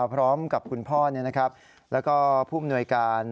พร้อมกับคุณพ่อเนี่ยนะครับแล้วก็ผู้มนวยการ